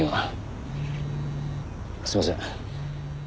すいません。